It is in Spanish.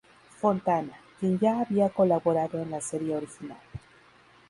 Fontana, quien ya había colaborado en la serie original.